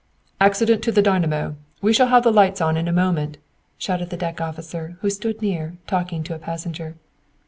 "Accident to the dynamo we shall have the lights on in a moment!" shouted the deck officer, who stood near, talking to a passenger.